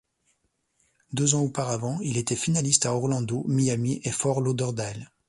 Deux ans auparavant, il était finaliste à Orlando, Miami et Fort Lauderdale.